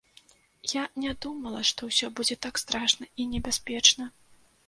Я не думала, што ўсе будзе так страшна і небяспечна.